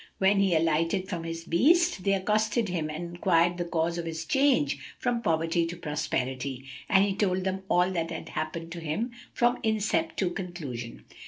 When he alighted from his beast they accosted him and enquired the cause of his change from poverty to prosperity, and he told them all that had happened to him from incept to conclusion.